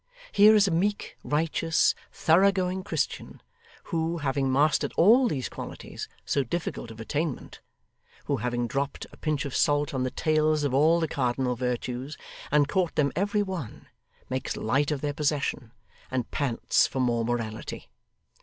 Here is a meek, righteous, thoroughgoing Christian, who, having mastered all these qualities, so difficult of attainment; who, having dropped a pinch of salt on the tails of all the cardinal virtues, and caught them every one; makes light of their possession, and pants for more morality.